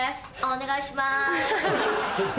お願いします。